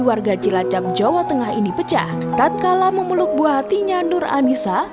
warga cilacap jawa tengah ini pecah tak kalah memeluk buah hatinya nur anissa